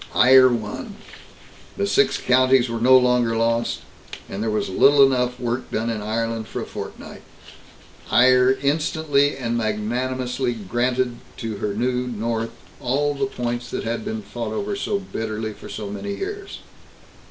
Eire won. The Six Counties were no longer lost, and there was little enough work done in Ireland for a fortnight. Eire instantly and magnanimously granted to her new north all the points that had been fought over so bitterly for so many years.